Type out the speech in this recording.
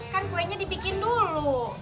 kan kuenya dibikin dulu